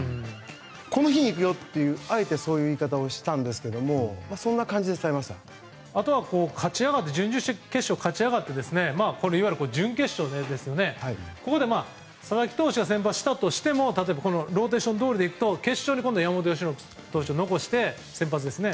この日にいくって、あえてそういう言い方をしたんですが準々決勝に勝ち上がっていわゆる準決勝、ここで佐々木投手が先発したとしても例えばローテーションどおりでいくと決勝で山本由伸投手残して先発ですね。